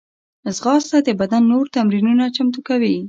ځغاسته د بدن نور تمرینونه چمتو کوي